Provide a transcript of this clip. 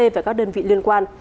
và các đơn vị liên quan